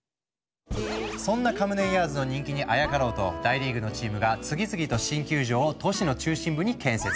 そんなカムデンヤーズの人気にあやかろうと大リーグのチームが次々と新球場を都市の中心部に建設。